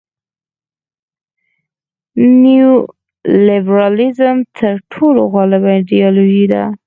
نیولیبرالیزم تر ټولو غالبه ایډیالوژي ده.